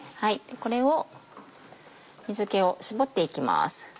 これを水気を絞っていきます。